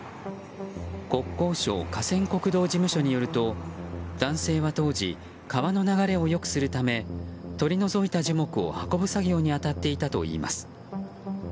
国交省河川国道事務所によると男性は当時川の流れを良くするため取り除いた樹木を運ぶ作業に当たっていたといいます。